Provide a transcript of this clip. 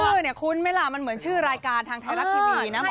เนี่ยคุ้นไหมล่ะมันเหมือนชื่อรายการทางไทยรัฐทีวีนะ